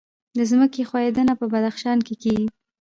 د ځمکې ښویدنه په بدخشان کې کیږي